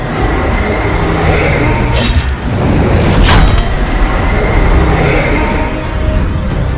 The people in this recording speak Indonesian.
tapi anda masih pro luna